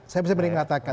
saya bisa beri katakan